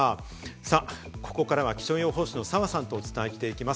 さあ、ここからは気象予報士の澤さんとお伝えしていきます。